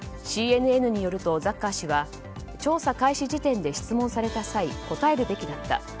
ＣＮＮによるとザッカー氏は調査開始時点で質問された際答えるべきだった。